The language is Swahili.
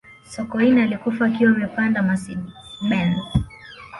sokoine alikufa akiwa amepanda mercedes benz